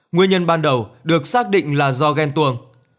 nguyên nhân ban đầu được xác định là do ghen tuồng